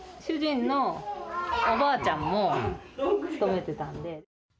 主人のおばあちゃんも勤めてたんで。